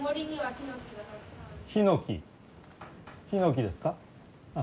ヒノキですか？